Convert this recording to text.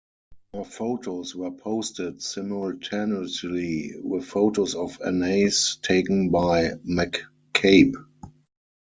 Her photos were posted simultaneously with photos of Anais taken by McCabe.